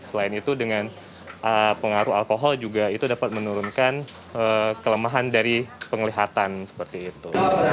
selain itu dengan pengaruh alkohol juga itu dapat menurunkan kelemahan dari penglihatan seperti itu